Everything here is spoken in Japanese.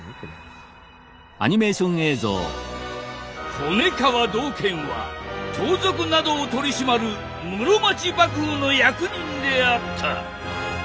骨皮道賢は盗賊などを取り締まる室町幕府の役人であった。